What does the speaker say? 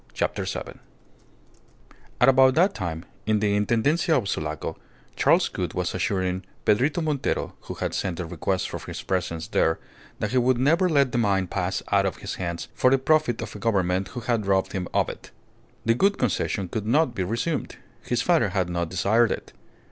CHAPTER SEVEN At about that time, in the Intendencia of Sulaco, Charles Gould was assuring Pedrito Montero, who had sent a request for his presence there, that he would never let the mine pass out of his hands for the profit of a Government who had robbed him of it. The Gould Concession could not be resumed. His father had not desired it.